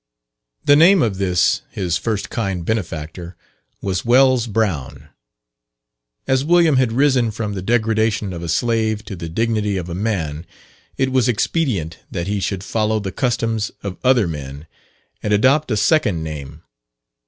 The name of this, his first kind benefactor, was "Wells Brown." As William had risen from the degradation of a slave to the dignity of a man, it was expedient that he should follow the customs of other men, and adopt a second name.